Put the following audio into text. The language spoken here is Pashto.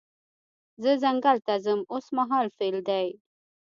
زه ځنګل ته ځم اوس مهال فعل دی.